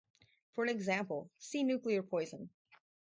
For an example, see nuclear poison.